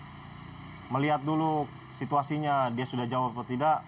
pada saat itu saya melihat dulu situasinya dia sudah jawab atau tidak